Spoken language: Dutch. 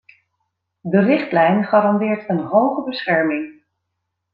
De richtlijn garandeert een hoge bescherming.